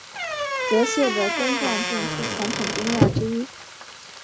泽泻的根状茎是传统中药之一。